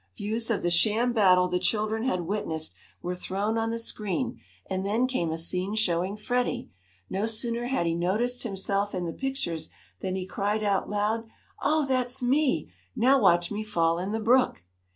Views of the sham battle the children had witnessed were thrown on the screen, and then came a scene showing Freddie. No sooner had he noticed himself in the pictures than he cried out loud: "Oh, that's me! Now watch me fall in the brook!"